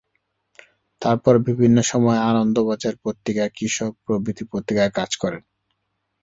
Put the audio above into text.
তারপর বিভিন্ন সময়ে 'আনন্দবাজার পত্রিকা','কৃষক' প্রভৃতি পত্রিকায় কাজ করেন।